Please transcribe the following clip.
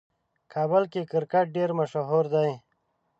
کابل کې کرکټ ډېر مشهور دی.